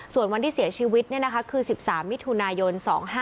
ส่วนวันที่เสียชีวิตเนี่ยนะคะคือ๑๓มิถุนายน๒๕๓๕